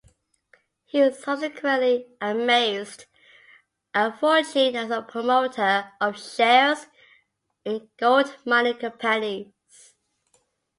He subsequently amassed a fortune as a promoter of shares in gold-mining companies.